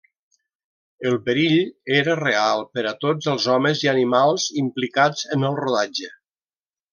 El perill era real per a tots els homes i animals implicats en el rodatge.